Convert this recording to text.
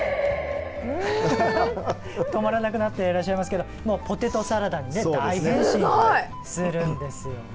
止まらなくなってらっしゃいますけどもうポテトサラダにね大変身するんですよね。